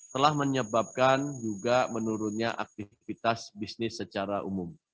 telah menyebabkan juga menurunnya aktivitas bisnis secara umum